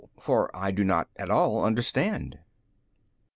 for I do not at all understand.